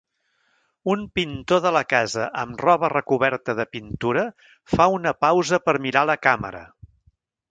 Un pintor de la casa amb roba recoberta de pintura fa una pausa per mirar la càmera.